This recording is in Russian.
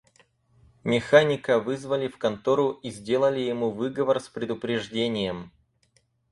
Механика вызвали в контору и сделали ему выговор с предупреждением.